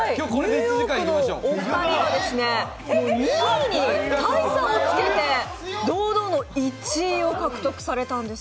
ニューヨークのお二人は２位に大差をつけて堂々の１位を獲得されたんです。